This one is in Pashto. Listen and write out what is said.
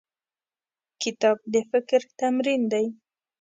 کتاب د فکر تمرین دی.